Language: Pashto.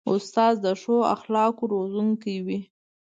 استاد د ښو اخلاقو روزونکی وي.